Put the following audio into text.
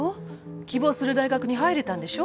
希望する大学に入れたんでしょ